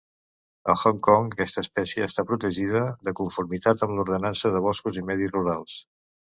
A Hong Kong, aquesta espècie està protegida de conformitat amb l'Ordenança de boscos i medis rurals.